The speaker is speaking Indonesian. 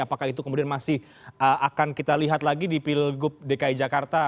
apakah itu kemudian masih akan kita lihat lagi di pilgub dki jakarta